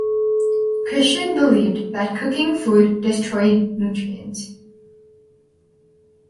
Christian believed that cooking food destroyed nutrients.